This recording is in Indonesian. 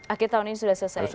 akhir tahun ini sudah selesai